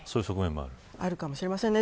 あるかもしれませんね。